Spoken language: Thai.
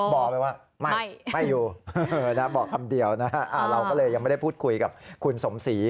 บอกไปว่าไม่อยู่บอกคำเดียวนะเราก็เลยยังไม่ได้พูดคุยกับคุณสมศรี